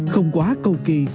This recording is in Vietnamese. không quá cầu kỳ